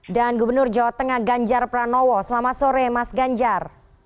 gubernur jawa tengah ganjar pranowo selamat sore mas ganjar